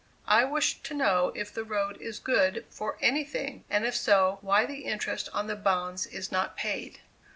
I wish to know if the road is good for anything, and if so, why the interest on the bonds is not paid."